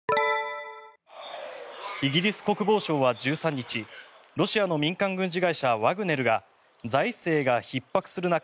イギリス国防省は１３日ロシアの民間軍事会社ワグネルが財政がひっ迫する中